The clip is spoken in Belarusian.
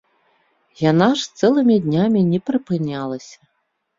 Яна ж цэлымі днямі не прыпынялася.